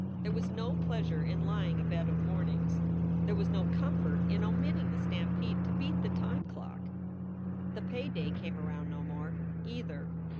There was no pleasure in lying abed of mornings. There was no comfort in omitting the stampede to beat the time clock. The pay day came around no more, either.